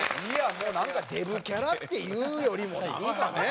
もうなんかデブキャラっていうよりもなんかね。